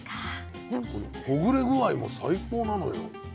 このほぐれ具合も最高なのよ。